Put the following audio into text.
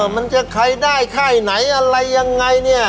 มันจะใครได้ค่ายไหนอะไรยังไงเนี่ย